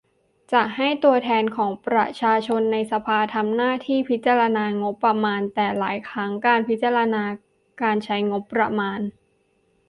จะให้ตัวแทนของประชาชนในสภา ทำหน้าที่พิจารณางบประมาณ แต่หลายครั้งการพิจารณาการใช้งบประมาณ